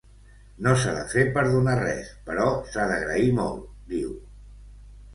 No s’ha de fer perdonar res, però s’ha d’agrair molt, diu.